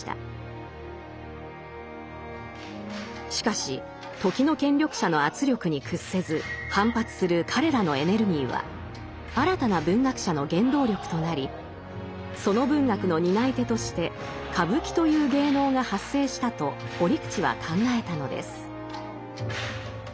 しかし時の権力者の圧力に屈せず反発する彼らのエネルギーは新たな文学者の原動力となりその文学の担い手として歌舞伎という芸能が発生したと折口は考えたのです。